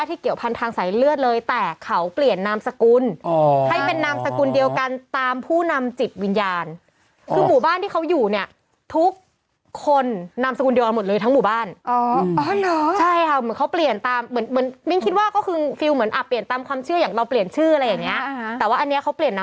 แต่สุดท้ายก็ก็จบให้ดีเหมือนเขาก็ต้องเป็นเหมือนแบบตอน